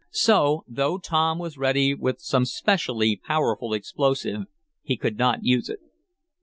So, though Tom was ready with some specially powerful explosive, he could not use it.